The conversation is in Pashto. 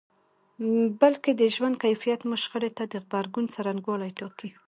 بلکې د ژوند کيفیت مو شخړې ته د غبرګون څرنګوالی ټاکي.